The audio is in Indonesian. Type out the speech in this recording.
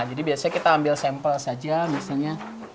jadi biasanya kita ambil sampel saja misalnya